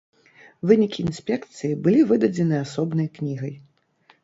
Вынікі інспекцыі былі выдадзены асобнай кнігай.